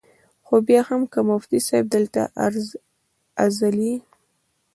خو بیا هم کۀ مفتي صېب دلته ازلي ،